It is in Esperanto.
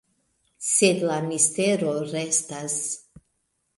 Sed la mistero restas.